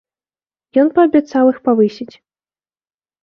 Ён паабяцаў іх павысіць.